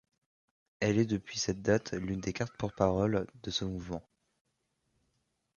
Elle est depuis cette date l'une des quatre porte-parole de ce mouvement.